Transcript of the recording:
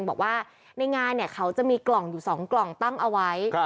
บอกว่าในงานเขาจะมีกล่องอยู่๒กล่องตั้งเอาไว้